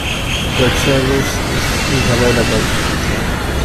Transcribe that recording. Jet service is available.